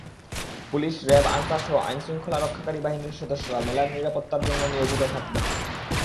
Police, RAB, আনসারসহ আইনশৃঙ্খলা রক্ষাকারী বাহিনীর সদস্যরা মেলার নিরাপত্তার জন্য নিয়োজিত থাকবেন।